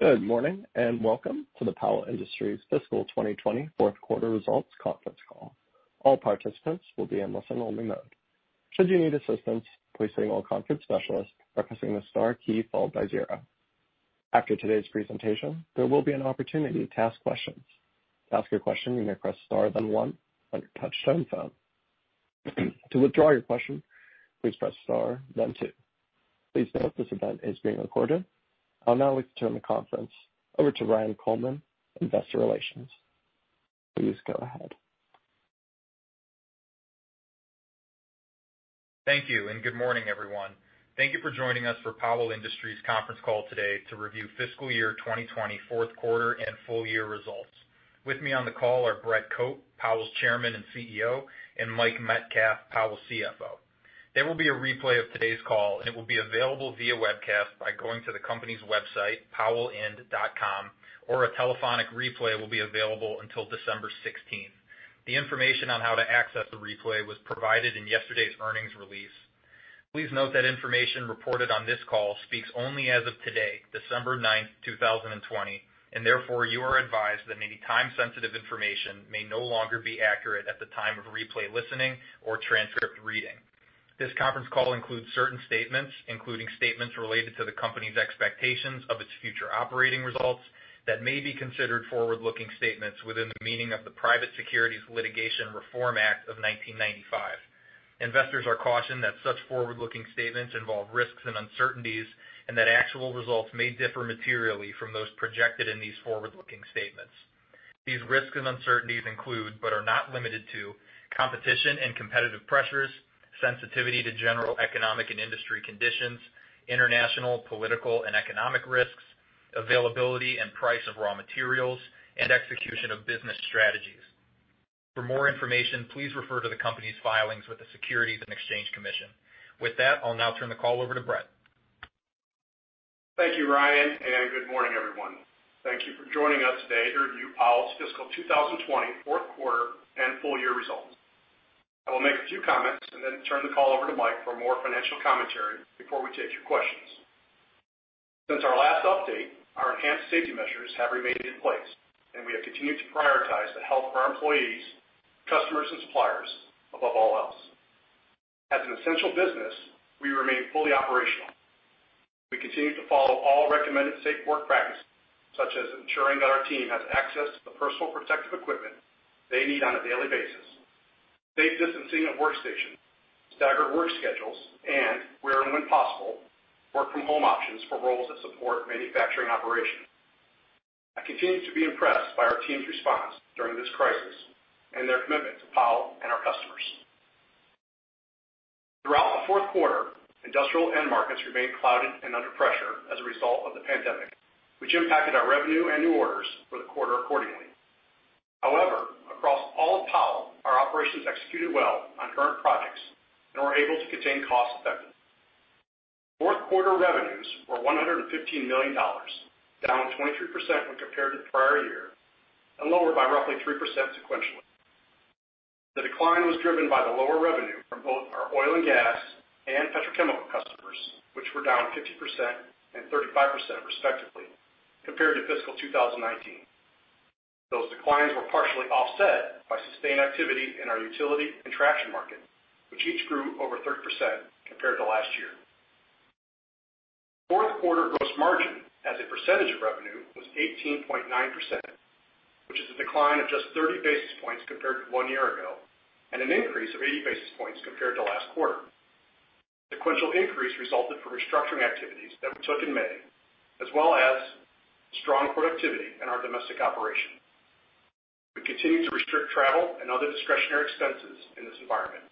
Good morning and welcome to the Powell Industries fiscal 2020 fourth quarter results conference call. All participants will be in listen-only mode. Should you need assistance, please press the star key followed by zero. After today's presentation, there will be an opportunity to ask questions. To ask a question, you may press star, then one on your touchtone phone. To withdraw your question, please press star, then two. Please note this event is being recorded. I'll now turn the conference over to Ryan Coleman, Investor Relations. Please go ahead. Thank you and good morning, everyone. Thank you for joining us for Powell Industries conference call today to review fiscal year 2020 fourth quarter and full year results. With me on the call are Brett Cope, Powell's Chairman and CEO, and Mike Metcalf, Powell's CFO. There will be a replay of today's call, and it will be available via webcast by going to the company's website, powellind.com, or a telephonic replay will be available until December 16th. The information on how to access the replay was provided in yesterday's earnings release. Please note that information reported on this call speaks only as of today, December 9th, 2020, and therefore you are advised that any time-sensitive information may no longer be accurate at the time of replay listening or transcript reading. This conference call includes certain statements, including statements related to the company's expectations of its future operating results that may be considered forward-looking statements within the meaning of the Private Securities Litigation Reform Act of 1995. Investors are cautioned that such forward-looking statements involve risks and uncertainties, and that actual results may differ materially from those projected in these forward-looking statements. These risks and uncertainties include, but are not limited to, competition and competitive pressures, sensitivity to general economic and industry conditions, international, political, and economic risks, availability and price of raw materials, and execution of business strategies. For more information, please refer to the company's filings with the Securities and Exchange Commission. With that, I'll now turn the call over to Brett. Thank you, Ryan, and good morning, everyone. Thank you for joining us today to review Powell's fiscal 2020 fourth quarter and full year results. I will make a few comments and then turn the call over to Mike for more financial commentary before we take your questions. Since our last update, our enhanced safety measures have remained in place, and we have continued to prioritize the health of our employees, customers, and suppliers above all else. As an essential business, we remain fully operational. We continue to follow all recommended safe work practices, such as ensuring that our team has access to the personal protective equipment they need on a daily basis, safe distancing at workstations, staggered work schedules, and, where and when possible, work-from-home options for roles that support manufacturing operations. I continue to be impressed by our team's response during this crisis and their commitment to Powell and our customers. Throughout the fourth quarter, industrial end markets remained clouded and under pressure as a result of the pandemic, which impacted our revenue and new orders for the quarter accordingly. However, across all of Powell, our operations executed well on current projects and were able to contain costs effectively. Fourth quarter revenues were $115 million, down 23% when compared to the prior year, and lower by roughly 3% sequentially. The decline was driven by the lower revenue from both our oil and gas and petrochemical customers, which were down 50% and 35% respectively compared to fiscal 2019. Those declines were partially offset by sustained activity in our utility and traction market, which each grew over 30% compared to last year. Fourth quarter gross margin as a percentage of revenue was 18.9%, which is a decline of just 30 basis points compared to one year ago and an increase of 80 basis points compared to last quarter. Sequential increase resulted from restructuring activities that we took in May, as well as strong productivity in our domestic operation. We continue to restrict travel and other discretionary expenses in this environment,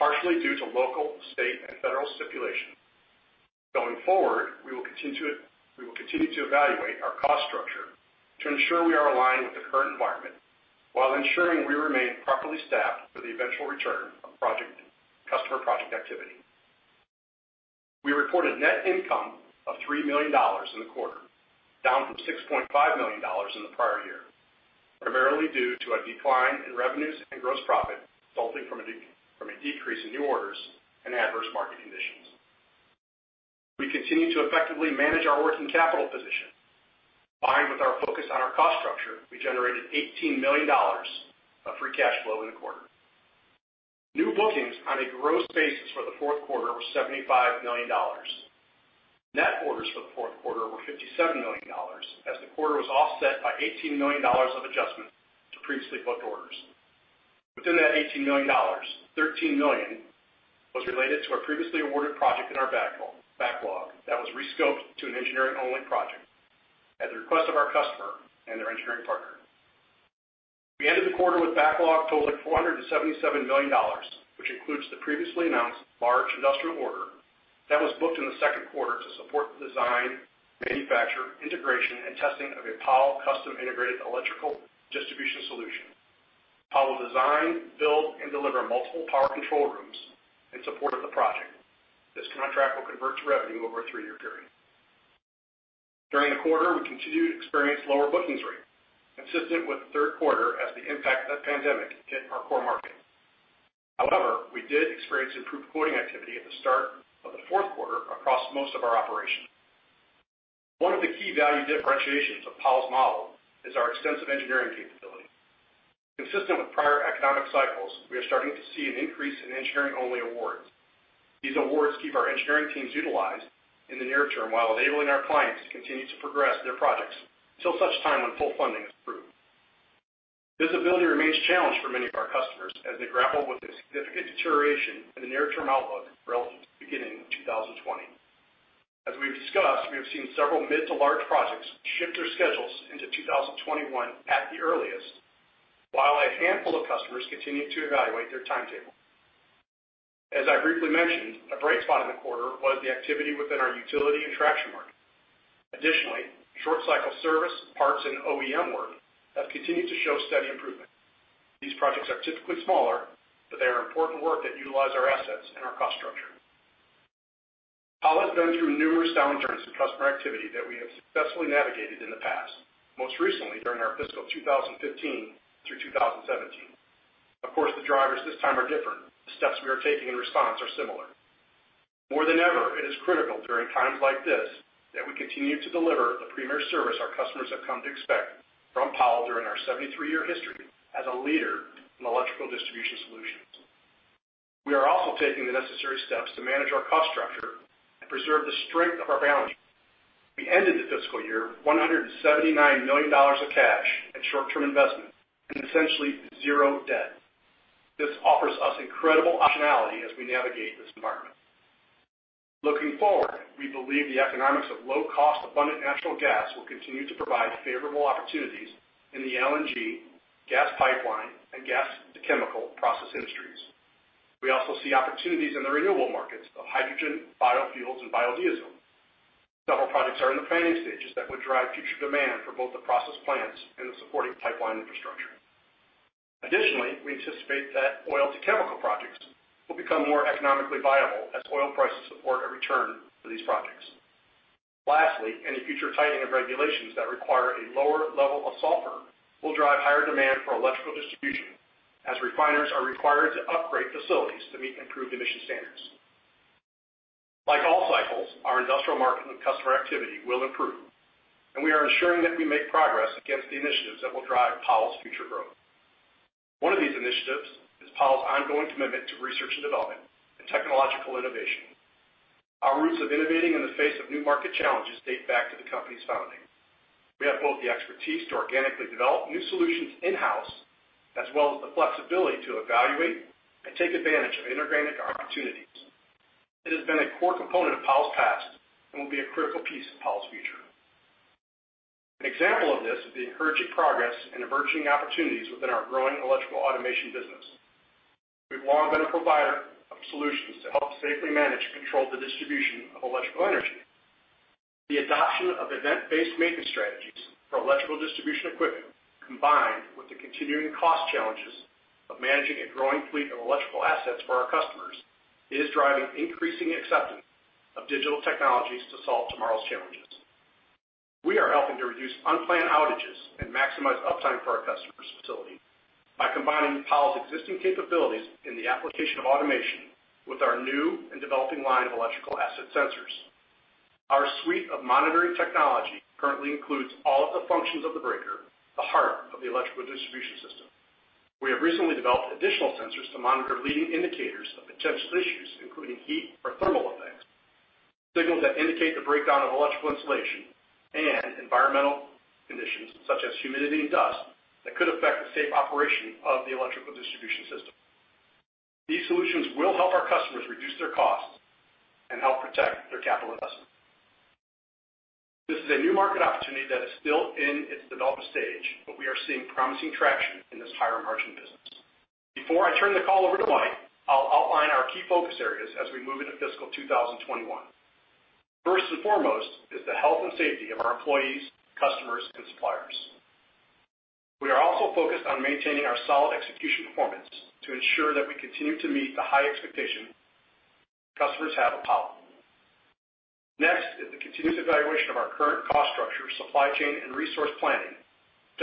partially due to local, state, and federal stipulation. Going forward, we will continue to evaluate our cost structure to ensure we are aligned with the current environment while ensuring we remain properly staffed for the eventual return of customer project activity. We reported net income of $3 million in the quarter, down from $6.5 million in the prior year, primarily due to a decline in revenues and gross profit resulting from a decrease in new orders and adverse market conditions. We continue to effectively manage our working capital position. Aligned with our focus on our cost structure, we generated $18 million of free cash flow in the quarter. New bookings on a gross basis for the fourth quarter were $75 million. Net orders for the fourth quarter were $57 million, as the quarter was offset by $18 million of adjustment to previously booked orders. Within that $18 million, $13 million was related to a previously awarded project in our backlog that was rescoped to an engineering-only project at the request of our customer and their engineering partner. We ended the quarter with backlog totaling $477 million, which includes the previously announced large industrial order that was booked in the second quarter to support the design, manufacture, integration, and testing of a Powell custom integrated electrical distribution solution. Powell designed, built, and delivered multiple Power Control Rooms in support of the project. This contract will convert to revenue over a three-year period. During the quarter, we continued to experience lower bookings rates, consistent with the third quarter as the impact of the pandemic hit our core market. However, we did experience improved quoting activity at the start of the fourth quarter across most of our operation. One of the key value differentiations of Powell's model is our extensive engineering capability. Consistent with prior economic cycles, we are starting to see an increase in engineering-only awards. These awards keep our engineering teams utilized in the near term while enabling our clients to continue to progress their projects until such time when full funding is approved. Visibility remains a challenge for many of our customers as they grapple with a significant deterioration in the near-term outlook relative to the beginning of 2020. As we've discussed, we have seen several mid to large projects shift their schedules into 2021 at the earliest, while a handful of customers continue to evaluate their timetable. As I briefly mentioned, a bright spot in the quarter was the activity within our utility and traction market. Additionally, short-cycle service, parts, and OEM work have continued to show steady improvement. These projects are typically smaller, but they are important work that utilizes our assets and our cost structure. Powell has been through numerous downturns in customer activity that we have successfully navigated in the past, most recently during our fiscal 2015 through 2017. Of course, the drivers this time are different. The steps we are taking in response are similar. More than ever, it is critical during times like this that we continue to deliver the premier service our customers have come to expect from Powell during our 73-year history as a leader in electrical distribution solutions. We are also taking the necessary steps to manage our cost structure and preserve the strength of our balance sheet. We ended the fiscal year with $179 million of cash and short-term investments and essentially zero debt. This offers us incredible optionality as we navigate this environment. Looking forward, we believe the economics of low-cost, abundant natural gas will continue to provide favorable opportunities in the LNG, gas pipeline, and gas-to-chemical process industries. We also see opportunities in the renewable markets of hydrogen, biofuels, and biodiesel. Several projects are in the planning stages that would drive future demand for both the process plants and the supporting pipeline infrastructure. Additionally, we anticipate that oil-to-chemical projects will become more economically viable as oil prices support a return for these projects. Lastly, any future tightening of regulations that require a lower level of sulfur will drive higher demand for electrical distribution, as refiners are required to upgrade facilities to meet improved emission standards. Like all cycles, our industrial market and customer activity will improve, and we are ensuring that we make progress against the initiatives that will drive Powell's future growth. One of these initiatives is Powell's ongoing commitment to research and development and technological innovation. Our roots of innovating in the face of new market challenges date back to the company's founding. We have both the expertise to organically develop new solutions in-house, as well as the flexibility to evaluate and take advantage of inorganic opportunities. It has been a core component of Powell's past and will be a critical piece of Powell's future. An example of this is the encouraging progress and emerging opportunities within our growing electrical automation business. We've long been a provider of solutions to help safely manage and control the distribution of electrical energy. The adoption of event-based maintenance strategies for electrical distribution equipment, combined with the continuing cost challenges of managing a growing fleet of electrical assets for our customers, is driving increasing acceptance of digital technologies to solve tomorrow's challenges. We are helping to reduce unplanned outages and maximize uptime for our customers' facilities by combining Powell's existing capabilities in the application of automation with our new and developing line of electrical asset sensors. Our suite of monitoring technology currently includes all of the functions of the breaker, the heart of the electrical distribution system. We have recently developed additional sensors to monitor leading indicators of potential issues, including heat or thermal effects, signals that indicate the breakdown of electrical insulation, and environmental conditions such as humidity and dust that could affect the safe operation of the electrical distribution system. These solutions will help our customers reduce their costs and help protect their capital investment. This is a new market opportunity that is still in its development stage, but we are seeing promising traction in this higher-margin business. Before I turn the call over to Mike, I'll outline our key focus areas as we move into fiscal 2021. First and foremost is the health and safety of our employees, customers, and suppliers. We are also focused on maintaining our solid execution performance to ensure that we continue to meet the high expectations customers have of Powell. Next is the continuous evaluation of our current cost structure, supply chain, and resource planning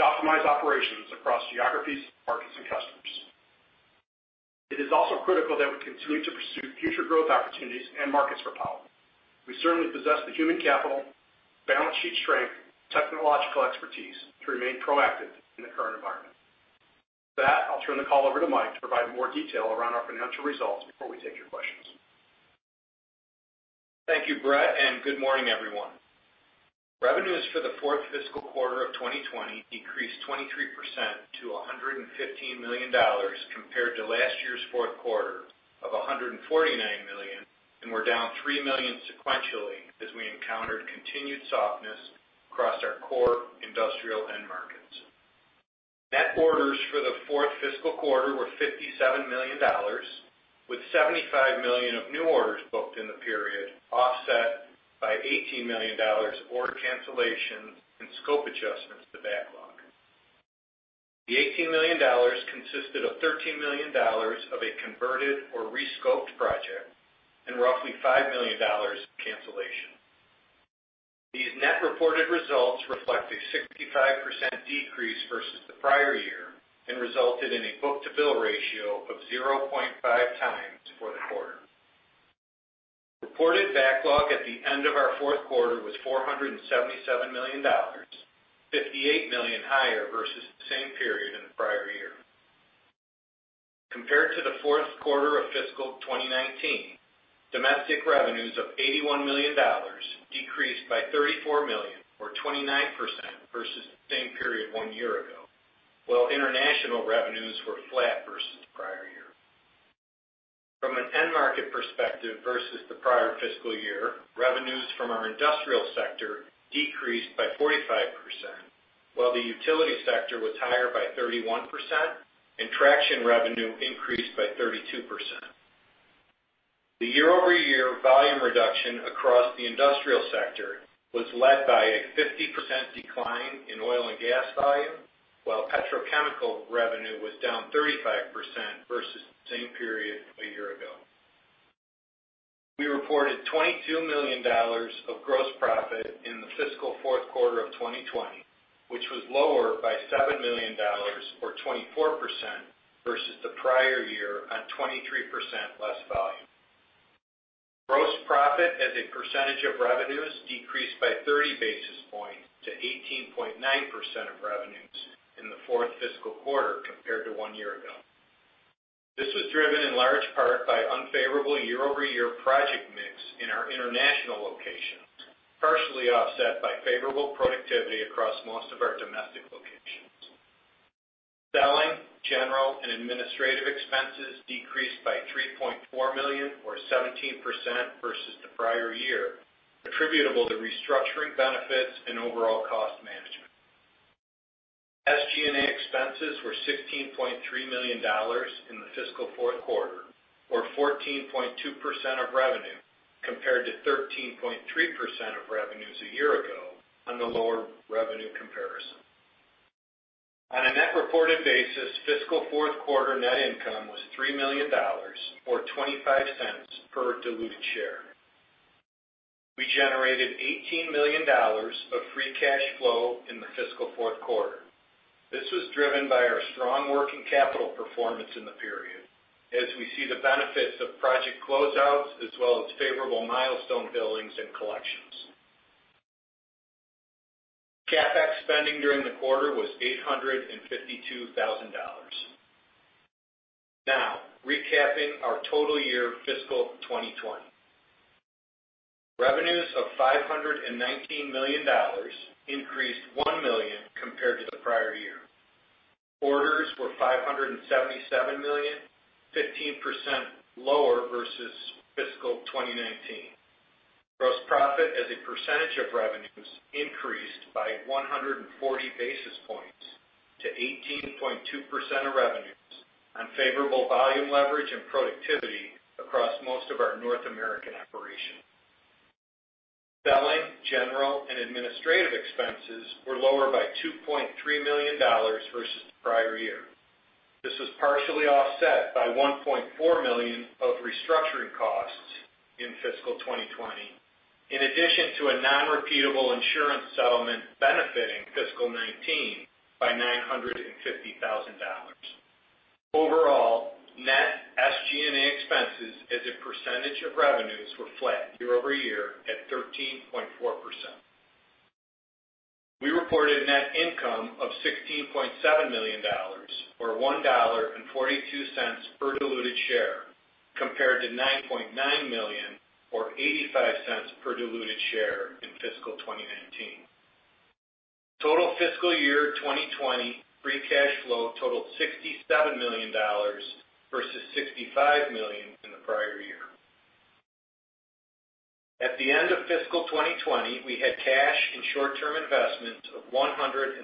to optimize operations across geographies, markets, and customers. It is also critical that we continue to pursue future growth opportunities and markets for Powell. We certainly possess the human capital, balance sheet strength, and technological expertise to remain proactive in the current environment. With that, I'll turn the call over to Mike to provide more detail around our financial results before we take your questions. Thank you, Brett, and good morning, everyone. Revenues for the fourth fiscal quarter of 2020 decreased 23% to $115 million compared to last year's fourth quarter of $149 million, and we're down three million sequentially as we encountered continued softness across our core industrial end markets. Net orders for the fourth fiscal quarter were $57 million, with $75 million of new orders booked in the period offset by $18 million of order cancellations and scope adjustments to backlog. The $18 million consisted of $13 million of a converted or rescoped project and roughly $5 million of cancellation. These net reported results reflect a 65% decrease versus the prior year and resulted in a book-to-bill ratio of 0.5x for the quarter. Reported backlog at the end of our fourth quarter was $477 million, $58 million higher versus the same period in the prior year. Compared to the fourth quarter of fiscal 2019, domestic revenues of $81 million decreased by $34 million, or 29%, versus the same period one year ago, while international revenues were flat versus the prior year. From an end market perspective versus the prior fiscal year, revenues from our industrial sector decreased by 45%, while the utility sector was higher by 31%, and traction revenue increased by 32%. The year-over-year volume reduction across the industrial sector was led by a 50% decline in oil and gas volume, while petrochemical revenue was down 35% versus the same period a year ago. We reported $22 million of gross profit in the fiscal fourth quarter of 2020, which was lower by $7 million, or 24%, versus the prior year on 23% less volume. Gross profit as a percentage of revenues decreased by 30 basis points to 18.9% of revenues in the fourth fiscal quarter compared to one year ago. This was driven in large part by unfavorable year-over-year project mix in our international locations, partially offset by favorable productivity across most of our domestic locations. Selling, general, and administrative expenses decreased by $3.4 million, or 17%, versus the prior year, attributable to restructuring benefits and overall cost management. SG&A expenses were $16.3 million in the fiscal fourth quarter, or 14.2% of revenue, compared to 13.3% of revenues a year ago on the lower revenue comparison. On a net reported basis, fiscal fourth quarter net income was $3 million, or $0.25 per diluted share. We generated $18 million of free cash flow in the fiscal fourth quarter. This was driven by our strong working capital performance in the period, as we see the benefits of project closeouts as well as favorable milestone billings and collections. CapEx spending during the quarter was $852,000. Now, recapping our total year fiscal 2020. Revenues of $519 million increased $1 million compared to the prior year. Orders were $577 million, 15% lower versus fiscal 2019. Gross profit as a percentage of revenues increased by 140 basis points to 18.2% of revenues on favorable volume leverage and productivity across most of our North American operations. Selling, general, and administrative expenses were lower by $2.3 million versus the prior year. This was partially offset by $1.4 million of restructuring costs in fiscal 2020, in addition to a non-repeatable insurance settlement benefiting fiscal 2019 by $950,000. Overall, net SG&A expenses as a percentage of revenues were flat year-over-year at 13.4%. We reported net income of $16.7 million, or $1.42 per diluted share, compared to $9.9 million, or $0.85 per diluted share in fiscal 2019. Total fiscal year 2020 free cash flow totaled $67 million versus $65 million in the prior year. At the end of fiscal 2020, we had cash and short-term investments of $179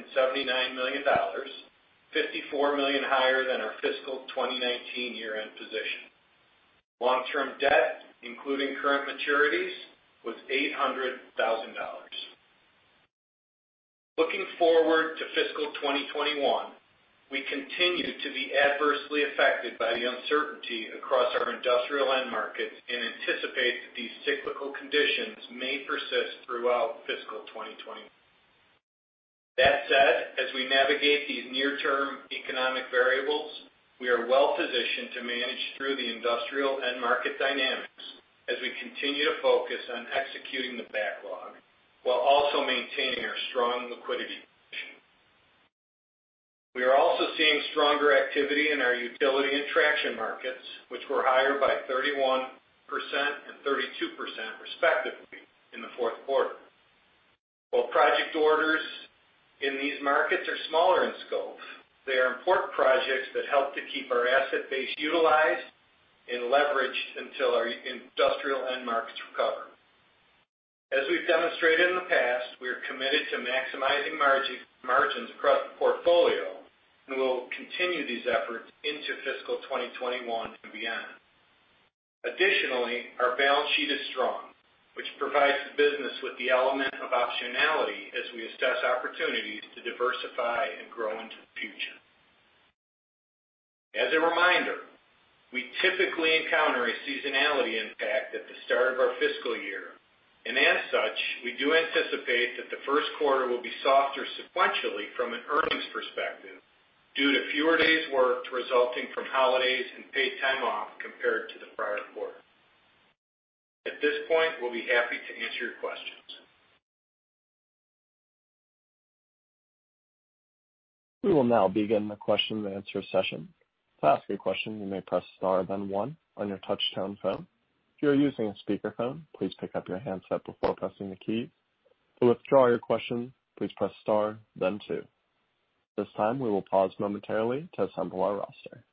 million, $54 million higher than our fiscal 2019 year-end position. Long-term debt, including current maturities, was $800,000. Looking forward to fiscal 2021, we continue to be adversely affected by the uncertainty across our industrial end markets and anticipate that these cyclical conditions may persist throughout fiscal 2021. That said, as we navigate these near-term economic variables, we are well-positioned to manage through the industrial end market dynamics as we continue to focus on executing the backlog while also maintaining our strong liquidity position. We are also seeing stronger activity in our utility and traction markets, which were higher by 31% and 32%, respectively, in the fourth quarter. While project orders in these markets are smaller in scope, they are important projects that help to keep our asset base utilized and leveraged until our industrial end markets recover. As we've demonstrated in the past, we are committed to maximizing margins across the portfolio and will continue these efforts into fiscal 2021 and beyond. Additionally, our balance sheet is strong, which provides the business with the element of optionality as we assess opportunities to diversify and grow into the future. As a reminder, we typically encounter a seasonality impact at the start of our fiscal year, and as such, we do anticipate that the first quarter will be softer sequentially from an earnings perspective due to fewer days worked resulting from holidays and paid time off compared to the prior quarter. At this point, we'll be happy to answer your questions. We will now begin the question-and-answer session. To ask a question, you may press star, then one, on your touch-tone phone. If you are using a speakerphone, please pick up your handset before pressing the keys. To withdraw your question, please press star, then two. This time, we will pause momentarily to assemble our roster.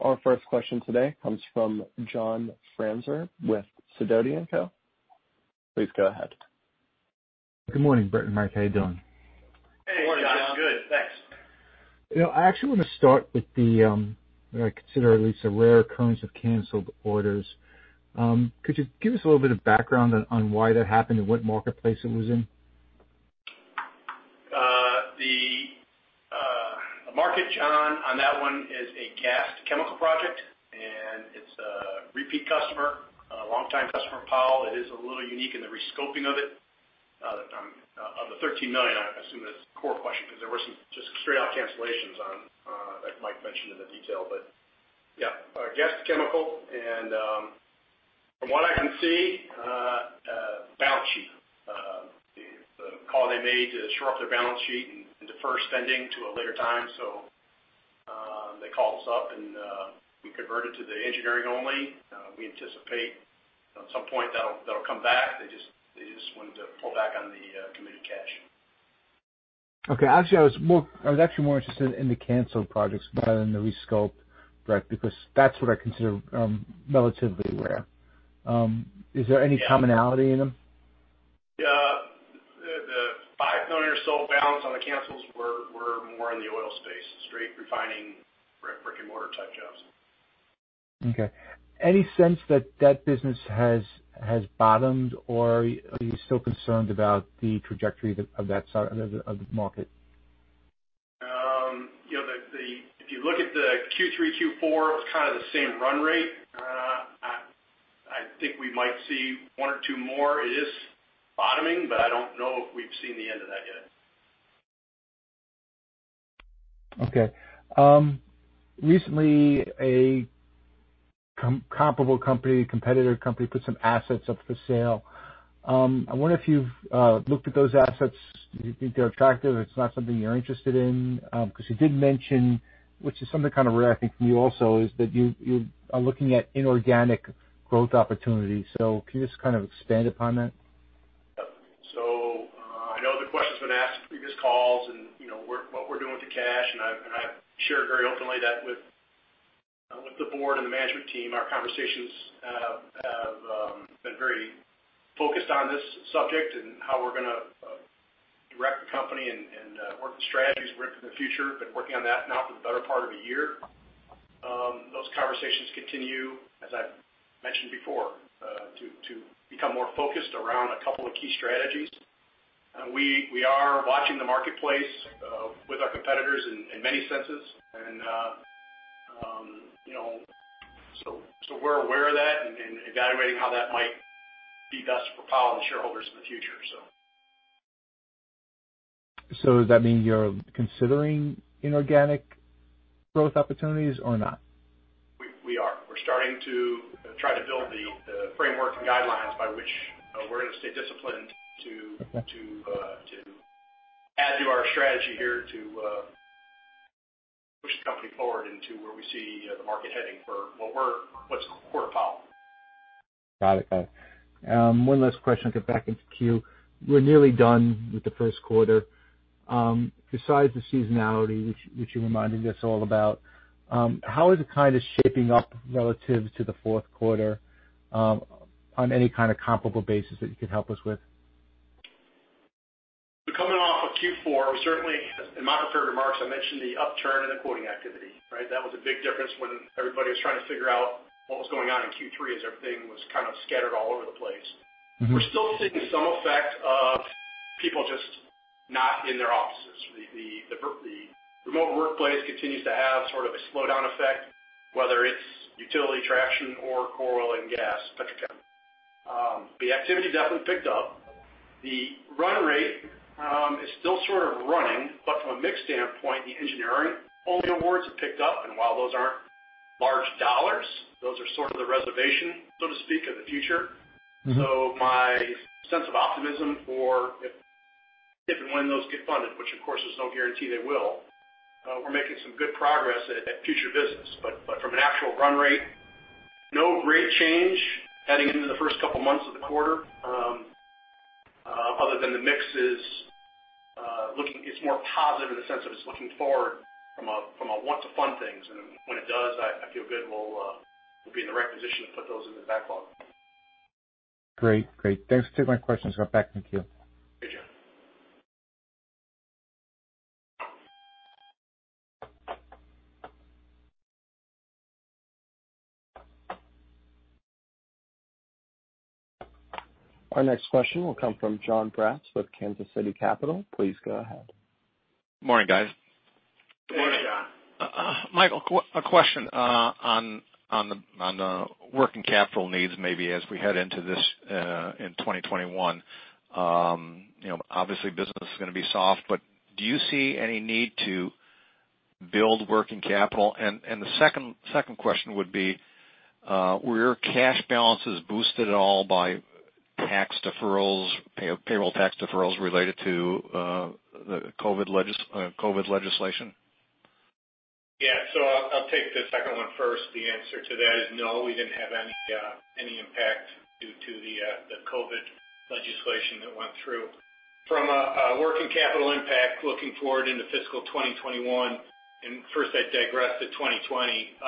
Our first question today comes from John Franzreb with Sidoti & Co. Please go ahead. Good morning, Brett and Mike. How are you doing? Hey, good. Thanks. I actually want to start with the, I consider at least a rare occurrence of canceled orders. Could you give us a little bit of background on why that happened and what marketplace it was in? The market, John, on that one is a gas chemical project, and it's a repeat customer, a long-time customer of Powell. It is a little unique in the rescoping of it. Of the $13 million, I assume that's the core question because there were some just straight-out cancellations on that Mike mentioned in the detail, but yeah. Gas chemical, and from what I can see, balance sheet. The call they made to shore up their balance sheet and defer spending to a later time, so they called us up, and we converted to the engineering only. We anticipate at some point that'll come back. They just wanted to pull back on the committed cash. Okay. Actually, I was actually more interested in the canceled projects rather than the rescoped break because that's what I consider relatively rare. Is there any commonality in them? Yeah. The $5 million or so balance on the cancels were more in the oil space, straight refining, brick-and-mortar type jobs. Okay. Any sense that that business has bottomed, or are you still concerned about the trajectory of that market? Yeah. If you look at the Q3, Q4, it was kind of the same run rate. I think we might see one or two more. It is bottoming, but I don't know if we've seen the end of that yet. Okay. Recently, a comparable company, competitor company, put some assets up for sale. I wonder if you've looked at those assets? Do you think they're attractive? It's not something you're interested in because you did mention, which is something kind of rare, I think, from you also, is that you are looking at inorganic growth opportunities. So can you just kind of expand upon that? So I know the questions have been asked in previous calls and what we're doing with the cash, and I've shared very openly that with the board and the management team. Our conversations have been very focused on this subject and how we're going to direct the company and work with strategies for the future. Been working on that now for the better part of a year. Those conversations continue, as I've mentioned before, to become more focused around a couple of key strategies. We are watching the marketplace with our competitors in many senses, and so we're aware of that and evaluating how that might be best for Powell and shareholders in the future, so. So does that mean you're considering inorganic growth opportunities or not? We are. We're starting to try to build the framework and guidelines by which we're going to stay disciplined to add to our strategy here to push the company forward into where we see the market heading for what's quarter Powell. Got it. Got it. One last question. I'll get back into queue. We're nearly done with the first quarter. Besides the seasonality, which you reminded us all about, how is it kind of shaping up relative to the fourth quarter on any kind of comparable basis that you could help us with? Coming off of Q4, certainly, in my prepared remarks, I mentioned the upturn in the quoting activity, right? That was a big difference when everybody was trying to figure out what was going on in Q3 as everything was kind of scattered all over the place. We're still seeing some effect of people just not in their offices. The remote workplace continues to have sort of a slowdown effect, whether it's utilities, traction or oil and gas, petrochemical. The activity definitely picked up. The run rate is still sort of running, but from a mixed standpoint, the engineering-only awards have picked up. And while those aren't large dollars, those are sort of the reservation, so to speak, of the future. So my sense of optimism for if and when those get funded, which of course there's no guarantee they will, we're making some good progress at future business. But from an actual run rate, no great change heading into the first couple of months of the quarter other than the mix is looking. It's more positive in the sense of it's looking forward from a want to fund things. And when it does, I feel good we'll be in the right position to put those in the backlog. Great. Great. Thanks for taking my questions. Got back into que. Thank you. Our next question will come from Jon Braatz with Kansas City Capital. Please go ahead. Good morning, guys. Good morning, Jon. Michael, a question on the working capital needs maybe as we head into this in 2021. Obviously, business is going to be soft, but do you see any need to build working capital? And the second question would be, were your cash balances boosted at all by tax deferrals, payroll tax deferrals related to the COVID legislation? Yeah. So I'll take the second one first. The answer to that is no. We didn't have any impact due to the COVID legislation that went through. From a working capital impact, looking forward into fiscal 2021, and first I digress to 2020,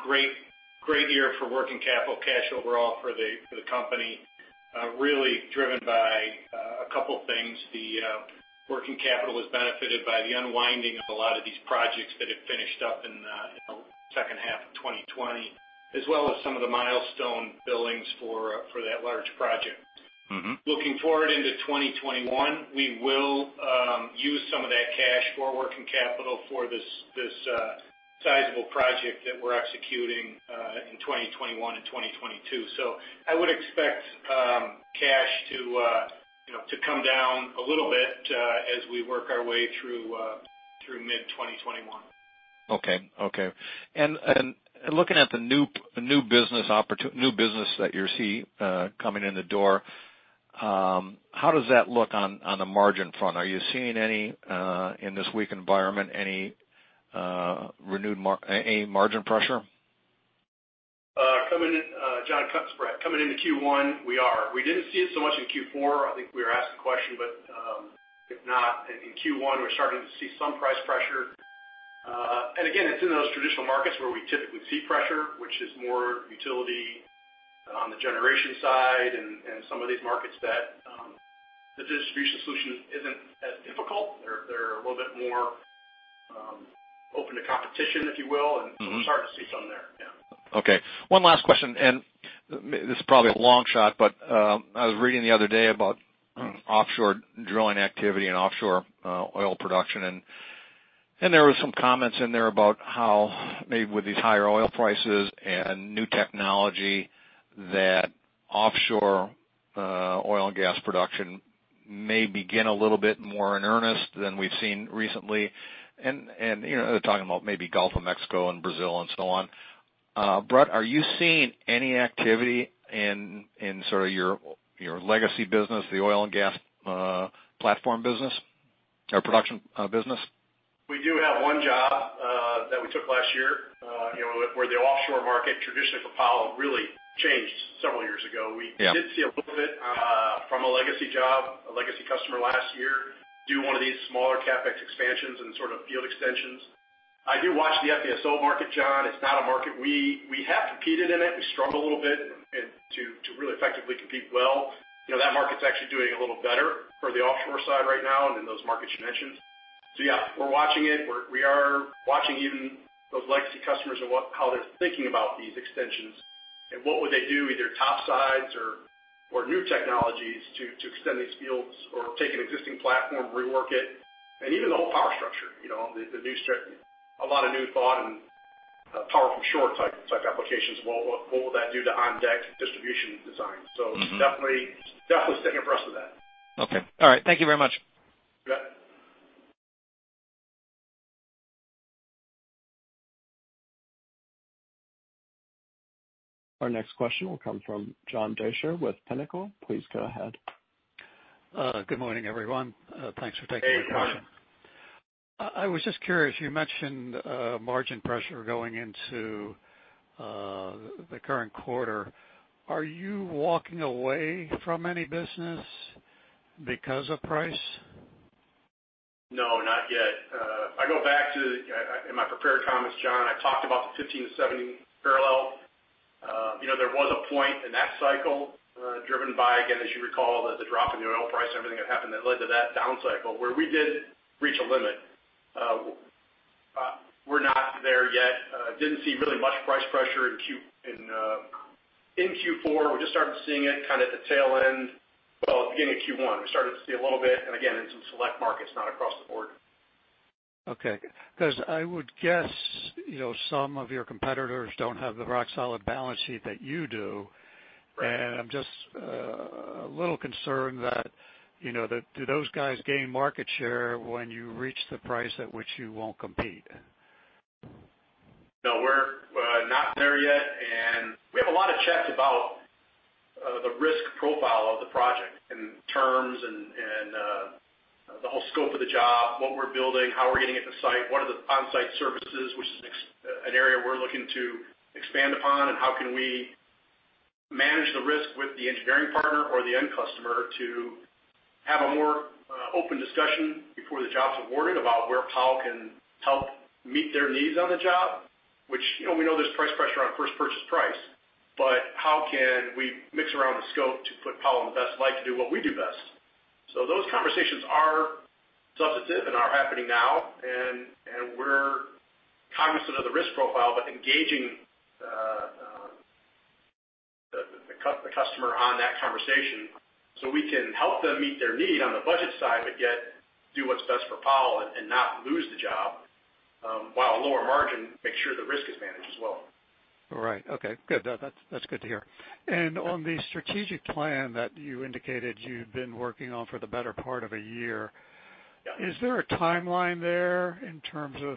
great year for working capital cash overall for the company, really driven by a couple of things. The working capital was benefited by the unwinding of a lot of these projects that had finished up in the second half of 2020, as well as some of the milestone billings for that large project. Looking forward into 2021, we will use some of that cash for working capital for this sizable project that we're executing in 2021 and 2022. So I would expect cash to come down a little bit as we work our way through mid-2021. Okay. Okay. And looking at the new business that you see coming in the door, how does that look on the margin front? Are you seeing any in this weak environment, any margin pressure? Jon Braatz, coming into Q1, we are. We didn't see it so much in Q4. I think we were asked the question, but if not, in Q1, we're starting to see some price pressure. And again, it's in those traditional markets where we typically see pressure, which is more utility on the generation side and some of these markets that the distribution solution isn't as difficult. They're a little bit more open to competition, if you will, and we're starting to see some there. Yeah. Okay. One last question. And this is probably a long shot, but I was reading the other day about offshore drilling activity and offshore oil production, and there were some comments in there about how maybe with these higher oil prices and new technology that offshore oil and gas production may begin a little bit more in earnest than we've seen recently. And they're talking about maybe Gulf of Mexico and Brazil and so on. Brett, are you seeing any activity in sort of your legacy business, the oil and gas platform business or production business? We do have one job that we took last year where the offshore market traditionally for Powell really changed several years ago. We did see a little bit from a legacy job, a legacy customer last year do one of these smaller CapEx expansions and sort of field extensions. I do watch the FPSO market, John. It's not a market we have competed in it. We struggle a little bit to really effectively compete well. That market's actually doing a little better for the offshore side right now and in those markets you mentioned. So yeah, we're watching it. We are watching even those legacy customers and how they're thinking about these extensions and what would they do, either topsides or new technologies to extend these fields or take an existing platform, rework it, and even the whole power structure, the new. A lot of new thought on power-from-shore-type applications. What will that do to on-deck distribution design? So definitely sticking to that. Okay. All right. Thank you very much. Our next question will come from John Deysher with Pinnacle. Please go ahead. Good morning, everyone. Thanks for taking my question. I was just curious. You mentioned margin pressure going into the current quarter. Are you walking away from any business because of price? No, not yet. If I go back to my prepared comments, John, I talked about the 15-70 parallel. There was a point in that cycle driven by, again, as you recall, the drop in the oil price and everything that happened that led to that down cycle where we did reach a limit. We're not there yet. Didn't see really much price pressure in Q4. We just started seeing it kind of at the tail end, well, at the beginning of Q1. We started to see a little bit, and again, in some select markets, not across the board. Okay. Because I would guess some of your competitors don't have the rock-solid balance sheet that you do. And I'm just a little concerned that do those guys gain market share when you reach the price at which you won't compete? No, we're not there yet, and we have a lot of checks about the risk profile of the project and terms and the whole scope of the job, what we're building, how we're getting it to site, what are the on-site services, which is an area we're looking to expand upon, and how can we manage the risk with the engineering partner or the end customer to have a more open discussion before the job's awarded about where Powell can help meet their needs on the job, which we know there's price pressure on first purchase price, but how can we mix around the scope to put Powell in the best light to do what we do best, so those conversations are substantive and are happening now. And we're cognizant of the risk profile, but engaging the customer on that conversation so we can help them meet their need on the budget side, but yet do what's best for Powell and not lose the job while lower margin makes sure the risk is managed as well. All right. Okay. Good. That's good to hear. And on the strategic plan that you indicated you've been working on for the better part of a year, is there a timeline there in terms of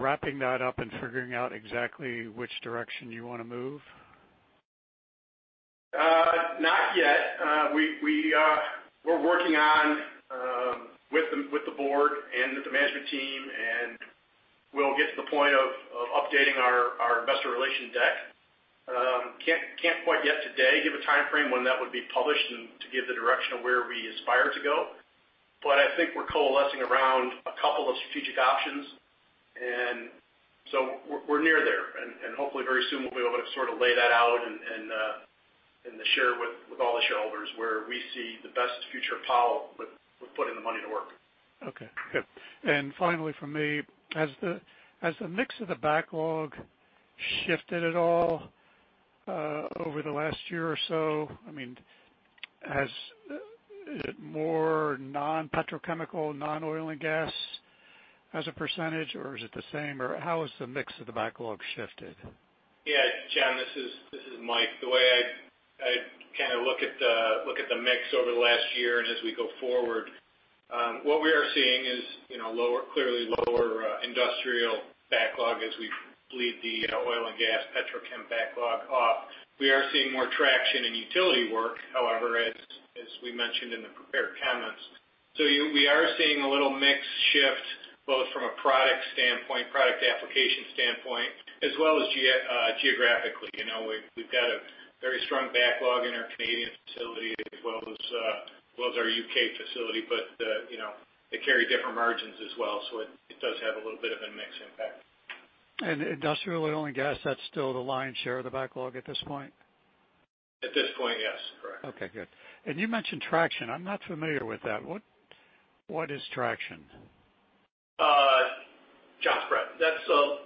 wrapping that up and figuring out exactly which direction you want to move? Not yet. We're working on with the board and with the management team, and we'll get to the point of updating our investor relations deck. Can't quite yet today give a timeframe when that would be published and to give the direction of where we aspire to go, but I think we're coalescing around a couple of strategic options, and so we're near there, and hopefully, very soon, we'll be able to sort of lay that out and share with all the shareholders where we see the best future of Powell with putting the money to work. Okay. Good. And finally, for me, has the mix of the backlog shifted at all over the last year or so? I mean, is it more non-petrochemical, non-oil and gas as a percentage, or is it the same? Or how has the mix of the backlog shifted? Yeah. John, this is Mike. The way I kind of look at the mix over the last year and as we go forward, what we are seeing is clearly lower industrial backlog as we bleed the oil and gas petrochem backlog off. We are seeing more traction in utility work, however, as we mentioned in the prepared comments. So we are seeing a little mix shift both from a product standpoint, product application standpoint, as well as geographically. We've got a very strong backlog in our Canadian facility as well as our U.K. facility, but they carry different margins as well. So it does have a little bit of a mixed impact. Industrial oil and gas, that's still the lion's share of the backlog at this point? At this point, yes. Correct. Okay. Good. And you mentioned traction. I'm not familiar with that. What is traction? That's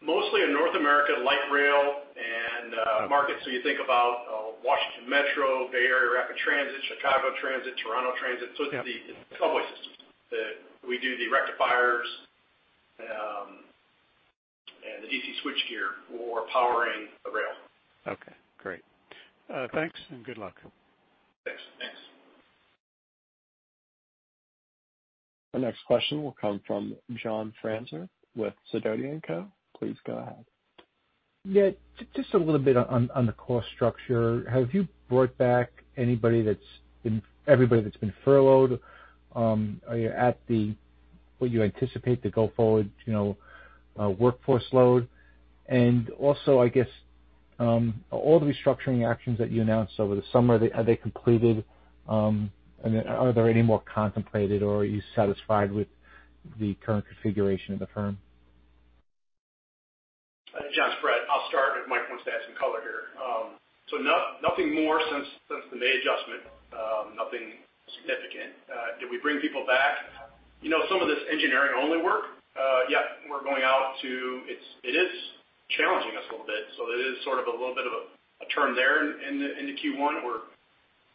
mostly a North American light rail and traction market. So you think about Washington Metro, Bay Area Rapid Transit, Chicago Transit, Toronto Transit. So it's the subway systems. We do the rectifiers and the DC switchgear for powering the rail. Okay. Great. Thanks and good luck. Our next question will come from John Franzreb with Sidoti & Co. Please go ahead. Yeah. Just a little bit on the cost structure. Have you brought back everybody that's been furloughed? Are you at what you anticipate the go forward workforce load? And also, I guess, all the restructuring actions that you announced over the summer, are they completed? And are there any more contemplated, or are you satisfied with the current configuration of the firm? I'll start if Mike wants to add some color here. So nothing more since the May adjustment. Nothing significant. Did we bring people back? Some of this engineering-only work, yep, we're going out to it. It is challenging us a little bit. So there is sort of a little bit of a turn there into Q1.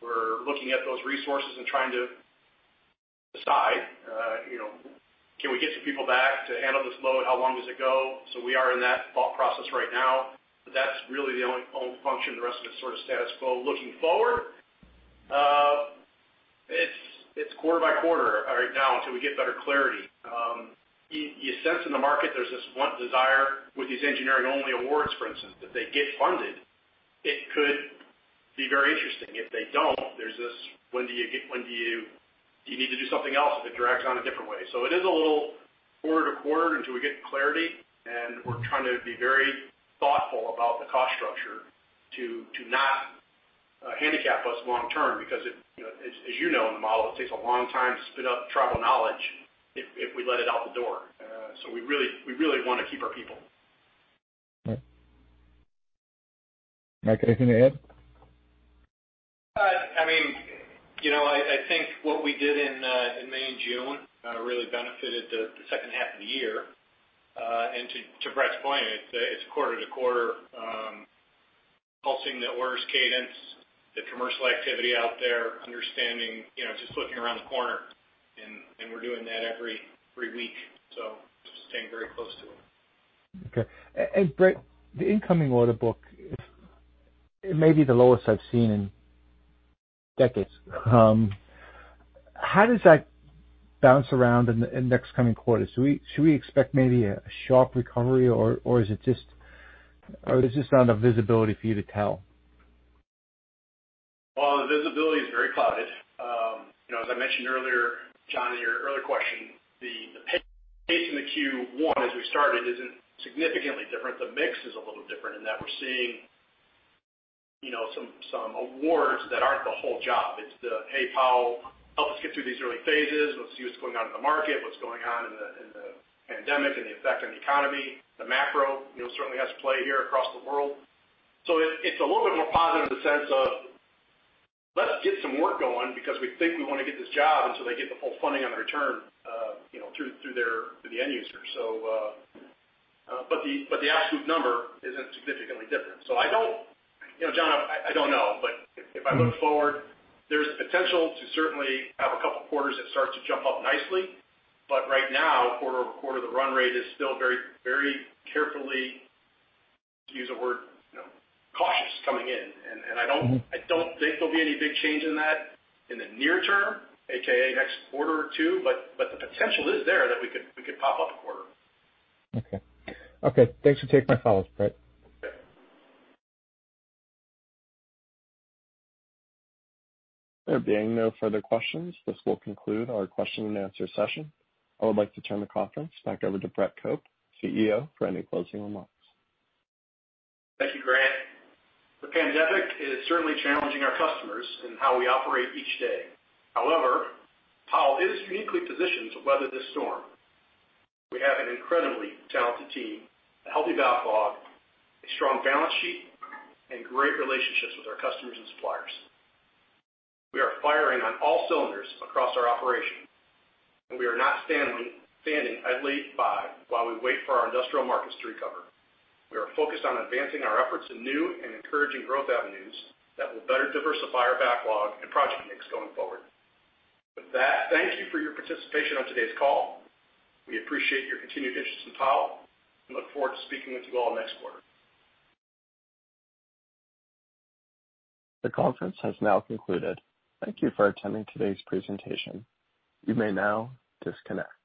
We're looking at those resources and trying to decide, can we get some people back to handle this load? How long does it go? So we are in that thought process right now. But that's really the only function. The rest of it's sort of status quo. Looking forward, it's quarter by quarter right now until we get better clarity. You sense in the market there's this desire with these engineering-only awards, for instance, that they get funded. It could be very interesting. If they don't, there's this when do you need to do something else if it drags on a different way, so it is a little quarter-to-quarter until we get clarity, and we're trying to be very thoughtful about the cost structure to not handicap us long-term because, as you know, in the model, it takes a long time to build up tribal knowledge if we let it out the door, so we really want to keep our people. Right. Mike, anything to add? I mean, I think what we did in May and June really benefited the second half of the year, and to Brett's point, it's quarter to quarter, pulsing the orders cadence, the commercial activity out there, understanding, just looking around the corner, and we're doing that every week, so just staying very close to it. Okay and Brett, the incoming order book, maybe the lowest I've seen in decades. How does that bounce around in the next coming quarter? Should we expect maybe a sharp recovery, or is it just not a visibility for you to tell? The visibility is very clouded. As I mentioned earlier, John, in your earlier question, the pace in the Q1 as we started isn't significantly different. The mix is a little different in that we're seeing some awards that aren't the whole job. It's the, "Hey, Powell, help us get through these early phases. Let's see what's going on in the market, what's going on in the pandemic and the effect on the economy." The macro certainly has a play here across the world. So it's a little bit more positive in the sense of, "Let's get some work going because we think we want to get this job until they get the full funding on the return through the end user." But the absolute number isn't significantly different. So, John, I don't know. But if I look forward, there's the potential to certainly have a couple of quarters that start to jump up nicely. But right now, quarter over quarter, the run rate is still very carefully, to use a word, cautious coming in. And I don't think there'll be any big change in that in the near term, a.k.a. next quarter or two. But the potential is there that we could pop up a quarter. Okay. Okay. Thanks for taking my call, Brett. There being no further questions, this will conclude our question and answer session. I would like to turn the conference back over to Brett Cope, CEO, for any closing remarks. Thank you, Grant. The pandemic is certainly challenging our customers and how we operate each day. However, Powell is uniquely positioned to weather this storm. We have an incredibly talented team, a healthy backlog, a strong balance sheet, and great relationships with our customers and suppliers. We are firing on all cylinders across our operation. And we are not standing still while we wait for our industrial markets to recover. We are focused on advancing our efforts in new and encouraging growth avenues that will better diversify our backlog and project mix going forward. With that, thank you for your participation on today's call. We appreciate your continued interest in Powell and look forward to speaking with you all next quarter. The conference has now concluded. Thank you for attending today's presentation. You may now disconnect.